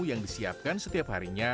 yang disiapkan setiap harinya